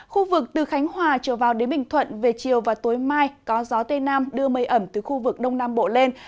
khu vực từ khánh hòa trở vào đến bình thuận về chiều và tối mai có gió tây nam đưa mây ẩm từ khu vực đông nam bộ lên